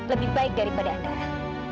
lebih baik daripada andara